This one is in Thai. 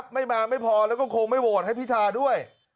๒ไม่มาไม่พอและคงไม่โวทิ์ให้พิทาด้วย